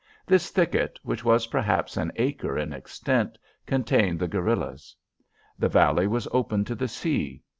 This thicket, which was perhaps an acre in extent, contained the guerillas. The valley was open to the sea.